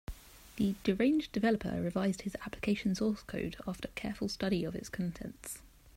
The deranged developer revised his application source code after a careful study of its contents.